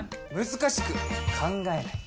難しく考えない。